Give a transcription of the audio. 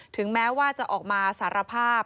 ถึงแม้ว่าจะออกมาสารภาพ